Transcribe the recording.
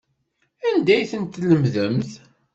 Anda ay tent-tlemdemt?